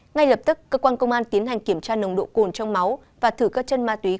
ngay lập tức cơ quan công an tiến hành kiểm tra nồng độ cồn trong máu